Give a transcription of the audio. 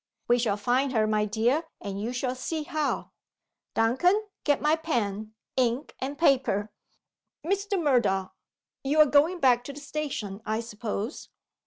"We shall find her, my dear; and you shall see how. Duncan, get me pen, ink, and paper. Mr. Murdoch, you are going back to the station, I suppose?"